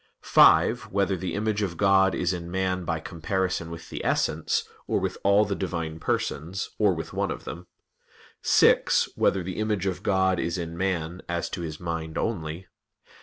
(5) Whether the image of God is in man by comparison with the Essence, or with all the Divine Persons, or with one of them? (6) Whether the image of God is in man, as to his mind only?